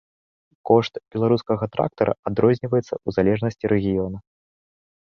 Кошт беларускага трактара адрозніваецца ў залежнасці рэгіёна.